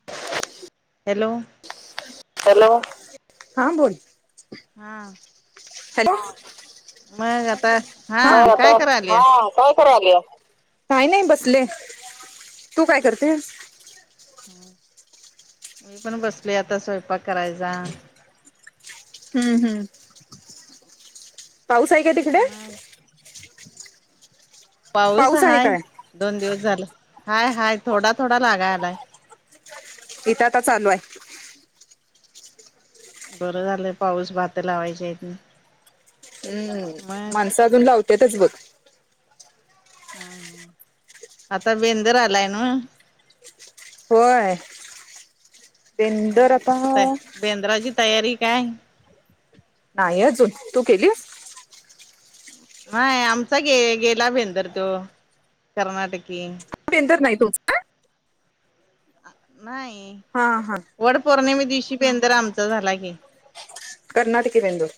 [inaudible] Hello. Hello हा बोल. हा. हॅलो. मग आता. हा काय हो [unintelligible] करायल्यास हा. काय करायल्यास? काही नाही बसले तू काय करतेसा. मी पण बसले आता स्वयंपाक करायचा. हम्म हम्म पाऊस आहे काय? तिकडे मग पाऊस आहे हाय काय? दोन दिवस झालं हाय-हाय थोडा-थोडा लागाय आलाय. इथं आता चालू आहे. बरं झालंय पाऊस भात लाव्याची ह्यात. हम्म माणसा अजून लावतातच बघ. हम आता बेंदूर आलाय न्हावा. होय बंदूर आ ताय बेंद्राची तयारी काय? नाही अजून तू केलीस? नाही आमचा गे गेला बिंदुर तो कर्नाटकी. बेंदूर नाही तुमचा? नाही. हा हा. वड पौर्णिमे दिवशी बिंदूर आमचा झाला की. कर्नाटकी बिंदुर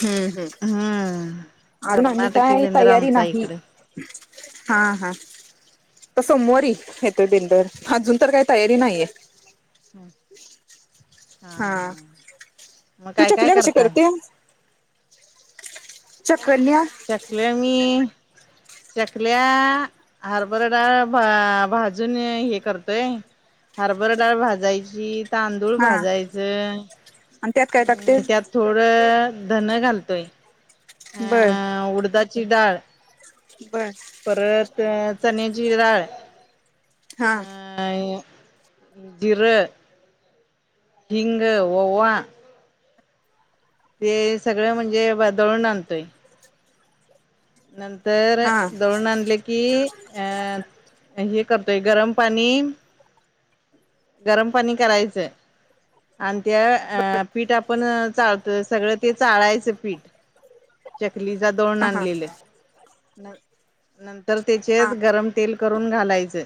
हम्म हम्म. [unintelligible] कर्नाटकी काय बेंद्र तयारी आमचा नाही. इकडे हा हा तर सोमवारी येतोय बेंदर, अजून तर काही तयारी नाहीये. हम्म हा, मग तु काय काय चकल्या कशी करताय करते? चकल्या चकल्या मी चकल्या हरभरा डाळ भाजून हे करतोय. हरभर डाळ भाजायची, तांदूळ हा भाजायचं, आणि त्यात काय टाकते? अं त्यात थोड धन घालतोय, बर अं उडदाची डाळ बर परत चण्याची डाळ हा अं अं जिरं हिंग, ओवा, ते सगळं म्हणजे वा दळून आणतोय. नंतर हा दळून आणले की, अं आणि हे करतोय गरम पाणी, गरम पाणी करायचंय. आणि त्या अं पीठ आपण चाळतो, सगळं ते चाळायचं पीठ चकलीला दळुन हा आणलेलं नंतर त्याचेत हा गरम तेल करून घालायचं.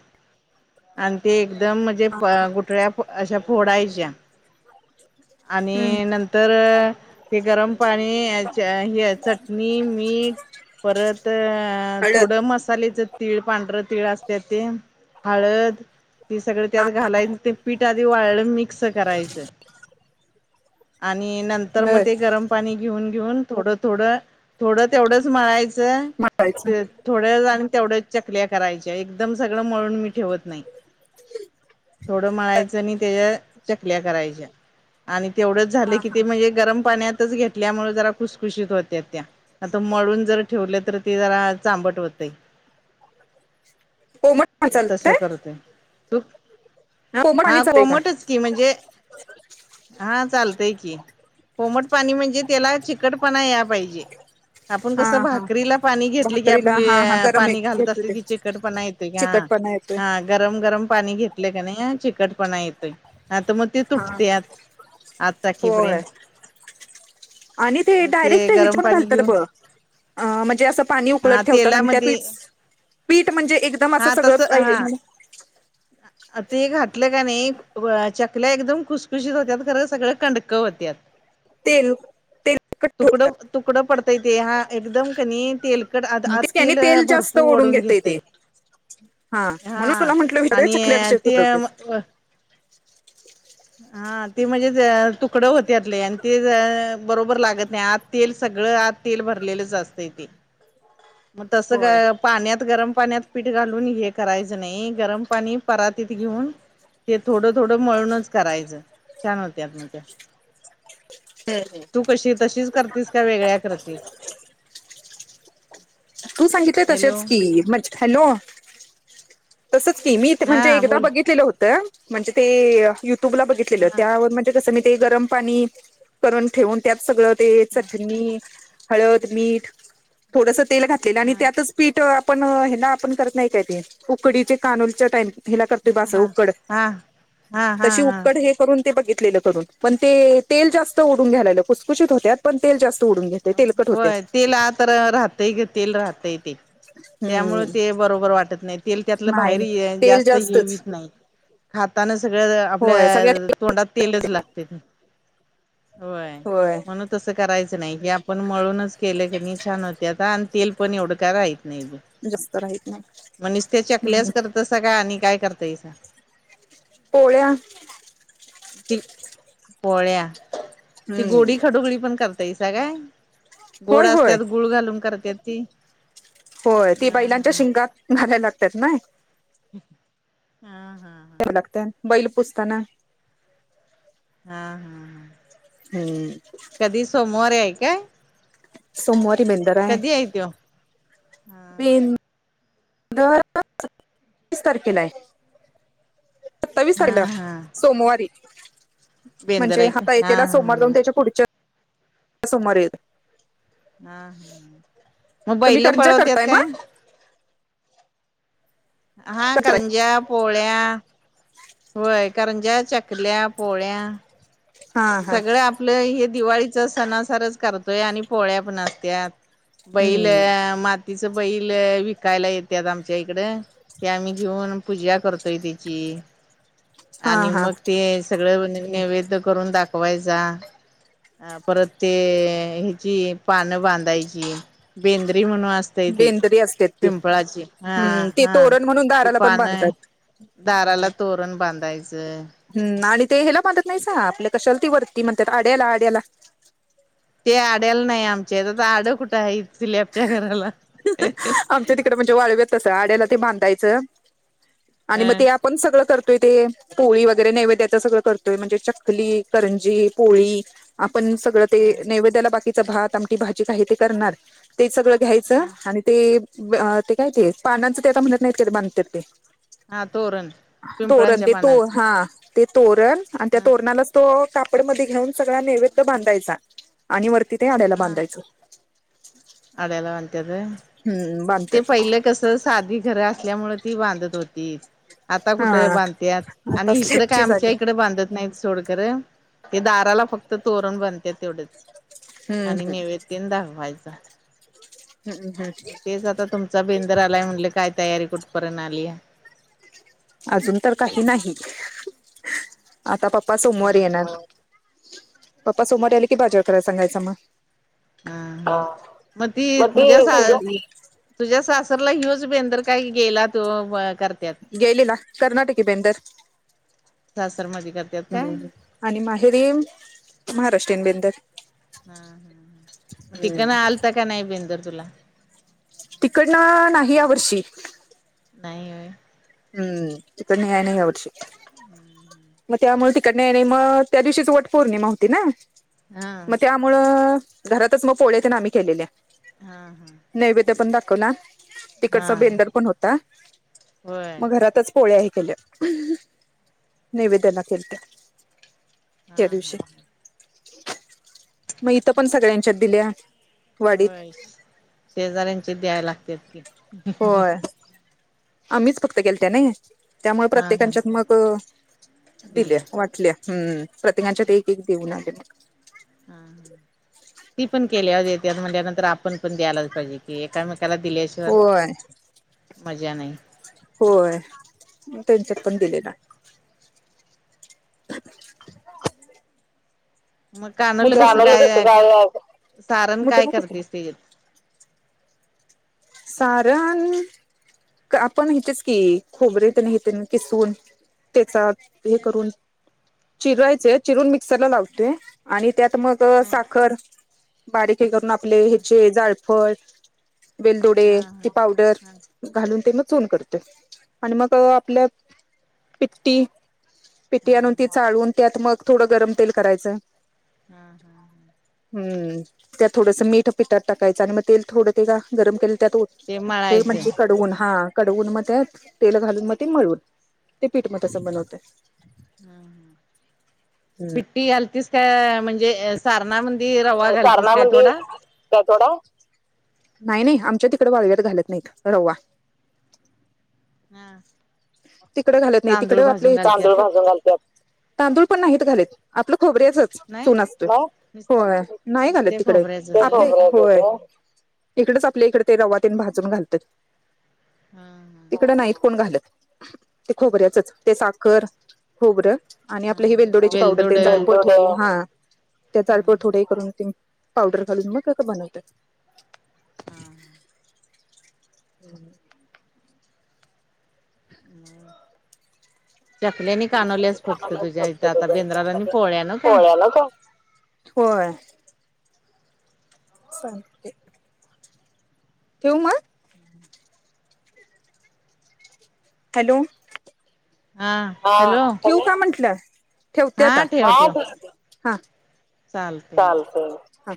आणि ते एकदम म्हणजे गुठळ्या अशा फोडायच्या. हम्म आणि नंतर हे गरम पाणी, हे चटणी, मीठ, परत हळद थोडं मसालेच तीळ, पांढरं तीळ असत्यात ते हळद ते सगळ त्यात घालायचं ते पीठ आधी वाळ मिक्स करायच आणि नंतर मग बर ते गरम पाणी घेऊन घेऊन थोडं थोडं थोडं तेवढंच मळायचं मळायचं ते थोड्या आणि तेवढ्याच चकल्या करायच्या एकदम सगळं मळून मी ठेवत नाही थोडं बर मळायचं आणि त्याच्या चकल्या करायच्या आणि तेवढेच हा झाले की हा ते म्हणजे गरम पाण्यात घेतल्यामुळे जरा खुसखुशीत होत्यात त्या आता मळुन जर ठेवले तर ते जरा चांबट होतय. कोमट पाणी तस चालतंय? करतोय, तु कोमट पाणी हा चालतंय का? कोमटच की म्हणजे हा चालतंय की कोमट पाणी म्हणजे त्याला चिकटपणा या पाहिजे आपण हा कसं भा हा करीला पाणी घेतले की भाकरीला आपली हा हा गरम एक पाणी घालत घेतो असली ते की चिकटपणा येते का चिकटपणा येतोय हं गरम-गरम पाणी घेतले का नाही चिकटपणा येतोय. आता मग ते हा हा तुटत्यात आत होय. टाकीपर्यंत आणि ते मग डायरेक्ट गरम ह्याच्या पाणी घालत्यात घेऊन ब म्हणजे अस पाणी हा उकळत ठेवतात आणि त्या तेलामध्ये पीठ पीठ म्हणजे एकदम असं हा सगळं तस हा [unintelligible] ते घातलं का नाही चकल्या एकदम खुसखुशीत होत्या खरं सगळ कंडक होत्यात तेल तेलकट ठेवतात. तुकडं तुकडं पडतायेत हा एकदम कनी तेलकट आ आ तेनी तेल जास्त ओढुन घेते ते हा म्हणुन तुला म्हटलं मी सगळे चकल्या आणि [unintelligible] ते हा ते म्हणजे तुक् कडं होते आतले आणि ते बरोबर लागत नाही आज तेल सगळं आज तेल भरलेलं असतं ते मग तसं होय काय पाण्यात गरम पाण्यात पीठ घालुन हे करायचं नाही गरम पाणी परातीत घेऊन ते थोडं थोडं मळुनच करायचं छान होत्यात मग त्या तु कशी तशीच करतीस का वेगळ्या करतीस तु सांगितय हॅलो तसेच की म हॅलो तसंच की मी म्हणजे हा एकदा बोल बघितलेलं होतं म्हणजे ते युट्युबला हा बघितलेलं हा त्यावर कस मी ते गरम पाणी करून ठेवुन त्यात सगळ ते चटणी हळद मीठ थोडस तेल घातलेलं आणि हा त्यातच पीठ आपण हे ना आपण करत नाही काय ते उकडीचे कानुलच्या टाइम हिला करते बा अस हा उकड हा हा हा तशी हा उकड हे ते बघितले करून पण तेल जास्त ओढुन घ्याय खुसखुशीत होत्यात पण तेल जास्त ओढुन घे होय तेल आ तर राहतय ग तेल राहतय ते त्यामुळे हम्म ते बरोबर वाटत नाही तेल त्यातल बाहेर नाही तेल जास्त हे जास्तच व्हत नाही खाताना सगळं होय आपल्या सगळ्यात तोंडात तेलच लागते होय म्हणून तसं करायचं नाही हे आपण मळूनच केले की नाही छान होते आता आणि तेल पण एवढं का राहत नाही बी जास्त राहत मग निसत्या त्या नाही चकल्याच करत सग आणि काय करतायस पोळ्या त पोळ्या ती हम्म गोडी खडोगळी पण करते काय गोड होय असत्या होय गुळ घालून करत्यात ती होय ती हा बैलांच्या हा शिंगात घालायला लागतात ना हा हा व लागते बैल पुसताना हा हा हा हम्म कधी सोमवारी आहे काय सोमवारी बेंदर आहे ऐतो बन [unintelligible] दीस तारखेला आहे सत्तावीस हा तारला हा सोमवारी बेंदर म्हणजे आहे का आता हा येतेला सोमोर हा जाऊन त्याच्या पुढ समर हा ह मग तुम्ही बैले करंजा पळवतत करताय काय मग हा करंज पोळ्या वय करंजा चकल्या पोळ्या हा हा सगळ आपलं हे दिवाळीचा सणासारच करतोय आणि पोळ्या पणचत्यात बैल हम्म मातीच बैल विकायला येतात आमच्या इकड ते आम्ही घेऊन पूजा करतोय त्याची हा आणि हा मग ते सगळं नैवेद करून दाखवायचा अ परत ते ह्याची पानं बांधायची बेंद्री म्हणून अस ते बेंदरी असते ती पिंपळाची हा हम्म ते हा तोरण म्हणून त दाराला पण पान बांधतात दाराला तोरण बांधायचं हम्म आणि ते हे्याला बधत नाहीसा आपल्या कशाल ती वरती म्हणतात आड्याला आड्याला ते आड्याल नाही आमच्या तर आता आड कुठं आहे स्लबच्या घराला म्हवाले व तसं आड्याला ते बांधायचं आणि मग ते ह आपण सगळं करतोय ते पोळी वगैरे नैवेद्याच सगळं करतोय म्हणजे चखली करंजी पोळी आपण सग ते ह नै्याला बा भातम भाज का ते करणार ते सगळं घ्यायच ते ते काय ते पानांचं ते आता म्हणत नाहीत का बांतात ते हा तोरण तोरण पिंपळांच्या देतो पानाच हा ते तोरण आणि त्या ह तोरणालाच तो कापडमध्ये घेऊन सगळा नैवेद्य बांधायचा. आणि वरती ते आड्याला बांधायचं. अड्याला बांधण्यात होय, हम्म ते बांधतात पहिलं कस साधी घर असल्यामुळे ती बांधत होती. आता हा कुठ बांधत्यात आणि आता इकडें काय स्लेपची आमच्या झाली इकडे बांधत नाही सोडं. खर ते दाराला फक्त तोरण बांधत्यात तेवढच हम्म आणि हम्म नैवे ती दाखवाचा. हम्म! हम्म तेच आता तुमचा बेंदर आलाय म्हटले काय तयारी कुठपर्यंत आलीया? अजून तर काही नाही आता पप्पा सोमवार येणार. हा पप्पा सोमवारी आले कि बाज्यार करायला सांगायचं मग. हा ह मग ती तुझ्या सा तुझ्या सासरला ह्योच बेंदर काही गेला तो करत्यात? गेलला कर्नाटकी बेंदर! सासर मदी करत्यात काय? आणि माहेरी महाराष्ट्रीयन बेंदर! तिकन आलता का नाही बिंदुर तुला? तिकडनं नाही यावर्षी. नाही होय. हम्म तकडन ह्या नाय वर्षी! मग त्यामुळे तिकड येणे म त्या दिवशीची वट पौर्णिमा होती ना हा. मग त्या त्यामुळं घरातच मग पोळ ते न आम्ही केलेल्या. हा हा! नैवेद्य पण दाखला ना तिकडचा हा बेंदर पण होता होय मग घरातच पोळ्या ही केल्या. नैवेद्यला केलंते. हा हा! मग इथ पण सगळ्यांच्यात दिल्या वाडीत होय शेजाऱ्यांची द्याय लागते की! होय आम्हीच फक्त गेलत्या नाय? त्यामुळ हा हा प्रत्येकांच्यात मग दिल्या वाटल्या हम्. प्रतिकांच्या एक एक एक देऊन आल्यात. [inaudible] ती पण केल्याव देत्यात म्हणल्या नंतर आपण पण द्यायलाच पाहिजे कि एकामेकाला दिल्या होय मजा नाही. होय त्यांनच्यात पण दिलेला. मग कानवलं कसं काय सारण काय करतेस तेज्यात? सारण आपण हीचेच की खोबरे तेन किसकुन त्याचा हे करून चिरायचे चिरून मिक्सरला लावतोय आणि त्यात मग हा साखर बारीक करून आपले हा ह्याचे जाळफळ वेलदोडे हा ते पावडर हा हा घालून ते मग चोन करते आणि मग आपल्या पिपटी पिटी हा हा आणून ती चाळून त्यात मग थोडं गरम तेल करायचंय. हा हा हा! हम् त्यात थोडंसं मीठ पाठात टाकायचं आणि मग तेल थोड ते का गरम केलेल त्यात ते हे मळायचं म्हणजे कडवून हा. कडवून मग त्यात तेल घालून मग ते मळवून ते पीठ म तसं बनवते. हम्म. पिट्टी घालतीस का म्हणजे सारणामध्ये रवा घालतीस काय थोडा त्या ोडा नाही नाही आमच्या तिकड वाळ्यात घालत नाहीत रववा हा तिकडे घालत नाही तिकडे आपले घालत्यात तांदळ भाजून घालत तांदूळ पण नाहीत घालेत आपलं नाही खोबरेचच ून असतो नुस होय नाही झाले नुसते तिकडे खोबऱ्याचच होय इकडेच आपल्या इकडे ते रवातीन भाजून घालतात हा हा तकडे नाहीत कोण घालत ते खबरचच ते साखर खबरं आणि आपलं ही हा वेलदोडची पावडर वेलदोड हा त्यां हा त्याचाळपळ थोडंही हा करून ते पावडर घालून मग का बनवतात हम ह हम् चकल्यानी कानवल्यास फक्त तुझ्या इथ आता बेंद्रालानी पोळ्या न काय? पोळ्याला का? होय शांत ठिऊ मग हॅलो हा हॅलो तू का म्हंटलं ठेवते हा आता हा चालत चालतंय. हा